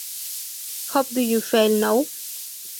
How Do You Feel Now?